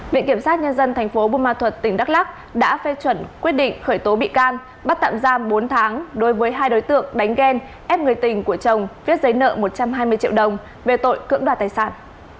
viện kiểm sát nhân dân thành phố bù ma thuật tỉnh đắk lắc đã phê chuẩn quyết định khởi tố bị can bắt tạm giam bốn tháng đối với hai đối tượng đánh ghen ép người tình của chồng viết giấy nợ một trăm hai mươi triệu đồng về tội cưỡng đoạt tài sản